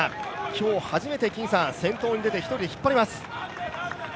今日初めて先頭に出て一人、引っ張ります。